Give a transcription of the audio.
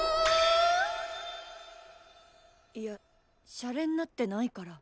いやシャレになってないから。